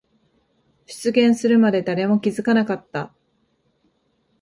出現するまで誰も気づかなかった。